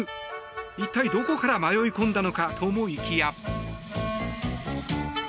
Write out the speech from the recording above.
一体どこから迷い込んだのかと思いきや。